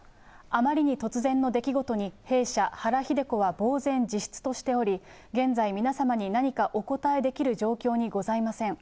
あまりに突然の出来事に、弊社、原日出子はぼう然自失としており、現在、皆様に何かお答えできる状況にございません。